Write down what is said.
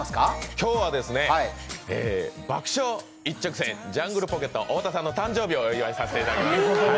今日は爆笑一直線、ジャングルポケット太田さんの誕生日をお祝いさせていただきます。